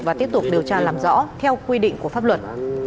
và tiếp tục điều tra làm rõ theo quy định của pháp luật